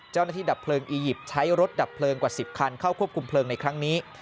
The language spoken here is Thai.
ดับเพลิงอียิปต์ใช้รถดับเพลิงกว่า๑๐คันเข้าควบคุมเพลิงในครั้งนี้